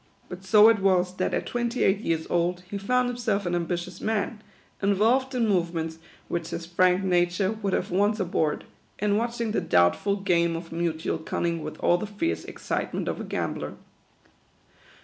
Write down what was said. But so it was, that at twenty eight years old, he found himself an ambitious man, involved in movements which his frank nature THE QUADROONS. 65 would have o ice abhorred, and watching the doubtful game of mutual cunning with all the fierce excitement of a gambler.